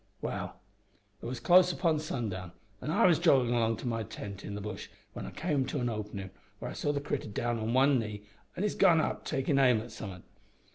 "Well, it was close upon sundown, an' I was joggin' along to my tent in the bush when I came to an openin' where I saw the critter down on one knee an' his gun up takin' aim at somethin'.